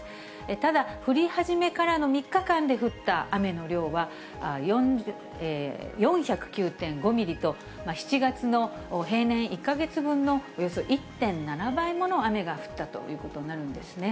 ただ、降り始めからの３日間で降った雨の量は４０９．５ミリと、７月の平年１か月分のおよそ１．７倍もの雨が降ったということになるんですね。